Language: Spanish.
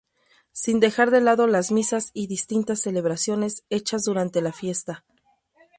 Sin dejar de lado las misas y distintas celebraciones hechas durante la fiesta.